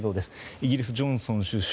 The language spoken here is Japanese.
イギリス、ジョンソン首相